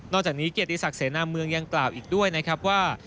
จากนี้เกียรติศักดิเสนาเมืองยังกล่าวอีกด้วยนะครับว่า